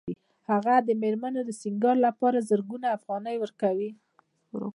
هغه د مېرمنې د سینګار لپاره زرګونه افغانۍ ورکوي